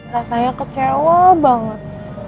rasanya kecewa banget